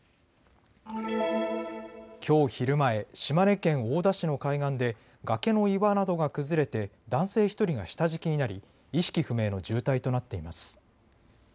きょう昼前、島根県大田市の海岸で崖の岩などが崩れて男性１人が下敷きになり意識不明の重体となっています。